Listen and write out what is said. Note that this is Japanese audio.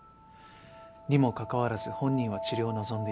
にもかかわらず本人は治療を望んでいない。